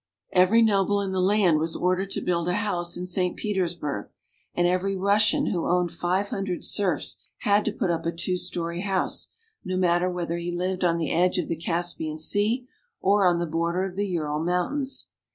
Every noble in the land was ordered to build a house in St. Petersburg, and every Russian who IN ST. PETERSBURG. 337 owned five hundred serfs had to put up a two story house, no matter whether he lived on the edge of the Caspian Sea or on the border of the Ural Mountains.